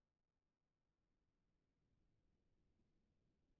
Beti aktibo dagoenez, ez du baimentzen hezurren hazkuntza egokia.